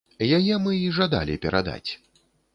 Яе мы і жадалі перадаць.